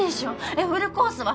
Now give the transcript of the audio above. えフルコースは！？